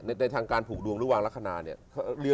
ในทางการผูกดวงหรือวางลักษณะเนี่ย